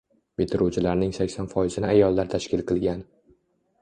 Bitiruvchilarning sakson foizini ayollar tashkil qilgan.